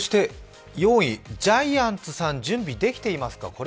４位、ジャイアンツさん準備できていますか？